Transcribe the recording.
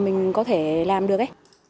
mình có thể làm được